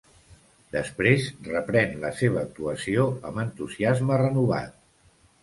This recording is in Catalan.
Després reprèn la seva actuació amb entusiasme renovat.